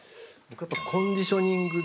コンディショニングですね。